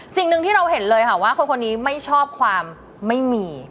สิ่งหนึ่งที่เราเห็นเลยค่ะว่าคนคนนี้ไม่ชอบความไม่มี